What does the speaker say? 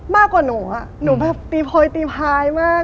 มากกว่าหนูอะหนูหนูแบบตีโพยตีพายมาก